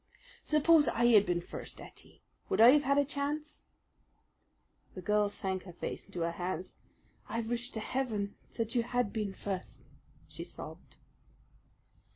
"Suppose I had been first, Ettie, would I have had a chance?" The girl sank her face into her hands. "I wish to heaven that you had been first!" she sobbed.